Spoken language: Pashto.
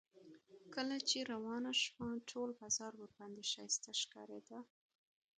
کله چې روانه شوه ټول بازار ورباندې ښایسته ښکارېده.